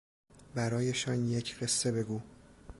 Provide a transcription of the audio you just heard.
برایشان یک قصه بگو.